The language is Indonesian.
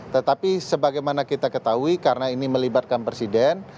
tetapi sebagaimana kita ketahui karena ini melibatkan presiden